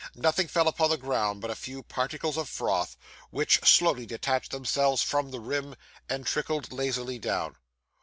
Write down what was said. Nothing fell upon the ground but a few particles of froth, which slowly detached themselves from the rim, and trickled lazily down.